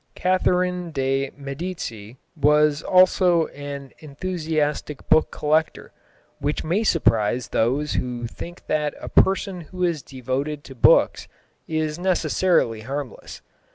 Catherine de Medicis also was an enthusiastic book collector, which may surprise those who think that a person who is devoted to books is necessarily harmless.